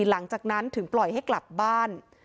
หลังจากนั้นถึงปล่อยให้กลับบ้าน